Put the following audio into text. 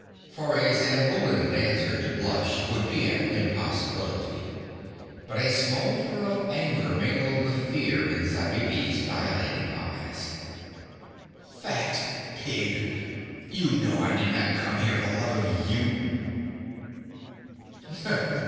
For a Zamboulan dancer to blush would be an impossibility, but a smolder of anger mingled with the fear in Zabibi's dilated eyes. 'Fat pig! You know I did not come here for love of you.'